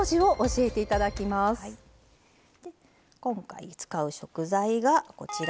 今回使う食材がこちら。